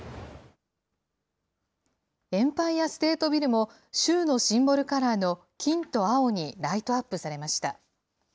エンパイア・ステート・ビルも、州のシンボルカラーの金と青にライトアップされました。